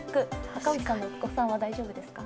赤荻さんのお子さんは大丈夫ですか？